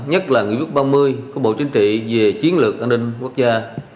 nhất là nghị quyết ba mươi của bộ chính trị về chiến lược an ninh quốc gia